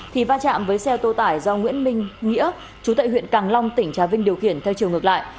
thì va chạm với xe ô tô tải do nguyễn minh nghĩa chú tại huyện càng long tỉnh trà vinh điều khiển theo chiều ngược lại